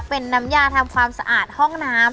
เป็นน้ำยาทำความสะอาดห้องน้ำ